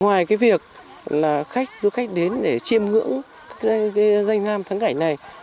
ngoài việc khách đến để chiêm ngưỡng danh nam thắng cảnh này